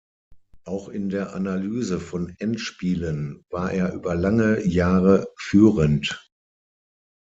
Auch in der Analyse von Endspielen war er über lange Jahre führend.